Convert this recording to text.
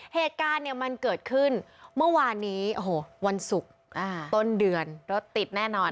เหตุการณ์เนี่ยมันเกิดขึ้นเมื่อวานนี้โอ้โหวันศุกร์ต้นเดือนรถติดแน่นอน